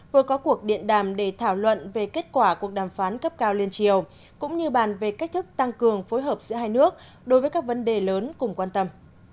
vừa có cuộc điện đàm để thảo luận về kết quả cuộc đàm phán cấp cao liên triều cũng như bàn về cách thức tăng cường phối hợp giữa hai nước đối với các vấn đề lớn cùng quan tâm